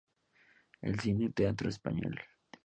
El Cine Teatro Español.